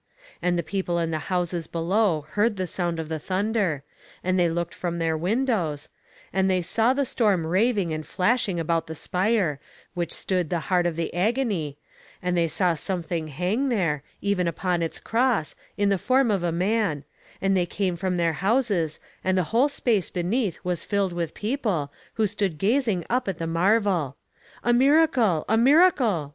And the people in the houses below heard the sound of the thunder, and they looked from their windows, and they saw the storm raving and flashing about the spire, which stood the heart of the agony, and they saw something hang there, even upon its cross, in the form of a man, and they came from their houses, and the whole space beneath was filled with people, who stood gazing up at the marvel. A MIRACLE! A MIRACLE!